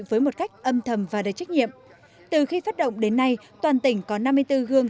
với một cách âm thầm và đầy trách nhiệm từ khi phát động đến nay toàn tỉnh có năm mươi bốn gương